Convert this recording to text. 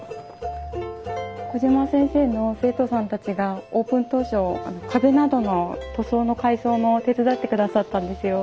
小島先生の生徒さんたちがオープン当初壁などの塗装の改装も手伝ってくださったんですよ。